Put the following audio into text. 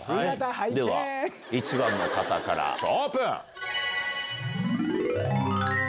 １番の方からオープン！